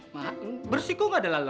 makan bersih kok nggak ada lalur ya